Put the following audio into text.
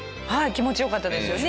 気持ち良かったですよね。